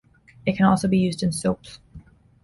It can also be used in soaps.